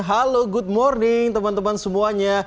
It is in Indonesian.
halo good morning teman teman semuanya